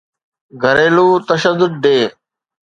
گھريلو تشدد ڊي